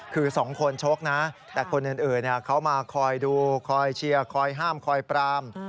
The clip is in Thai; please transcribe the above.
คือสองคนชกนะแต่คนอื่นเขามาคอยดูคอยเชียร์คอยห้ามคอยปราม